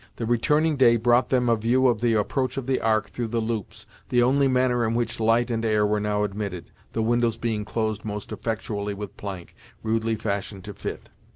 The returning day brought them a view of the approach of the Ark through the loops, the only manner in which light and air were now admitted, the windows being closed most effectually with plank, rudely fashioned to fit.